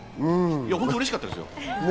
本当にうれしかったです。